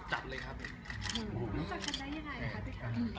รู้จักกันได้อย่างไรครับพี่ครับ